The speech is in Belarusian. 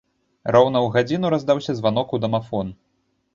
Роўна ў гадзіну раздаўся званок у дамафон.